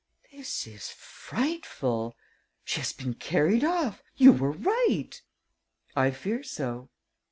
"This is frightful. She has been carried off. You were right." "I fear so."